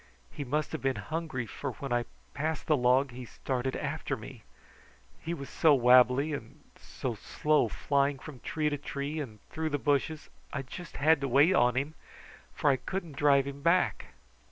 He must have been hungry, for when I passed the log he started after me. He was so wabbly, and so slow flying from tree to tree and through the bushes, I just had to wait on him, for I couldn't drive him back."